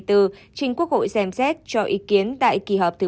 trình quốc hội xem xét cho ý kiến tại kỳ họp thứ bảy